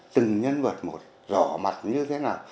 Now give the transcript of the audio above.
từng nhân vật một rõ mặt như thế nào